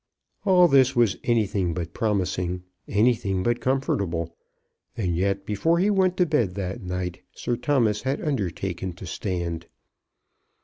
All this was anything but promising, anything but comfortable; and yet before he went to bed that night Sir Thomas had undertaken to stand.